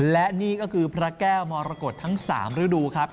และนี่ก็คือพระแก้วมรกฏทั้ง๓ฤดูครับ